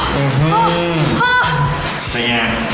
เป็นไง